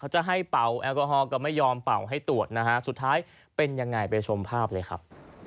ให้ตรวจนะฮะสุดท้ายเป็นยังไงไปชมภาพเลยครับ